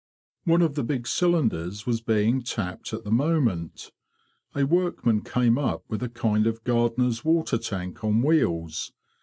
One of the big cylinders was being tapped at the moment. A workman came up with a kind of gardener's water tank on wheels.